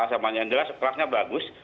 yang jelas kelasnya bagus